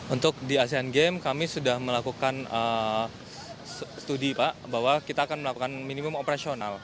untuk di asean games kami sudah melakukan studi pak bahwa kita akan melakukan minimum operasional